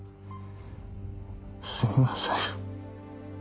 すみません。